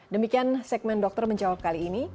demikian segmen dokter menjawab kali ini